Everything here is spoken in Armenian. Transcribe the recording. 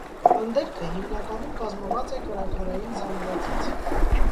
Ընդերքը հիմնականում կազմված է կրաքարային զանգվածից։